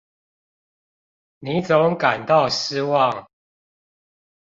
你總感到失望